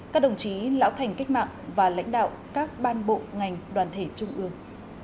các đồng chí lão thành cách mạng và lãnh đạo các ban bộ ngành đoàn thể trung ương